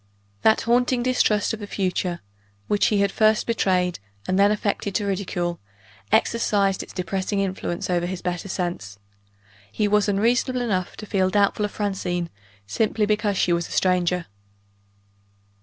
That haunting distrust of the future, which he had first betrayed and then affected to ridicule, exercised its depressing influence over his better sense. He was unreasonable enough to feel doubtful of Francine, simply because she was a stranger.